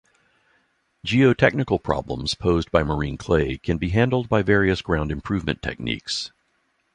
Geotechnical problems posed by marine clay can be handled by various ground improvement techniques.